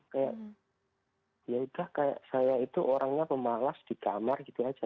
kayak yaudah kayak saya itu orangnya pemalas di kamar gitu aja